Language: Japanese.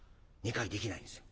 ２回できないんですよ。